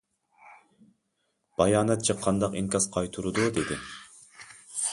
باياناتچى قانداق ئىنكاس قايتۇرىدۇ؟ دېدى.